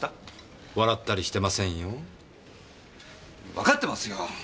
わかってますよ！